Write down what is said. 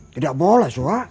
tidak boleh suha